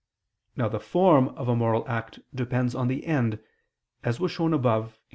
Now the form of a moral act depends on the end, as was shown above (Q.